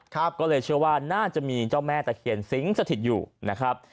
ก็เลยเชื่อว่าน่าจะมีเจ้าแม่ตะเคียนสิงสถิตอยู่นะครับ